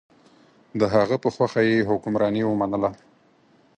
د هغه په خوښه یې حکمراني ومنله.